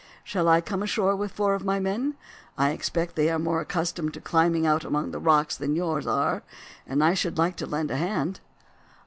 Shall I come ashore with four of my men? I expect they are more accustomed to climbing about among the rocks than yours are, and I should like to lend a hand."